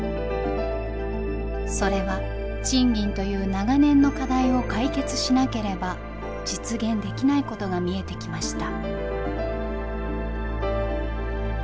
それは賃金という長年の課題を解決しなければ実現できないことが見えてきました。